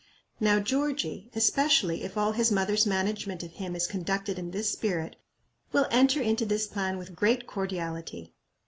Now Georgie, especially if all his mother's management of him is conducted in this spirit, will enter into this plan with great cordiality.